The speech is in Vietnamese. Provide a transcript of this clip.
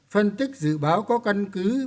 phân tích dự báo có cân cứ